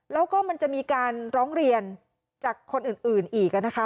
แล้วก็มันจะมีการร้องเรียนจากคนอื่นอีกนะคะ